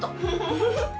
フフフ。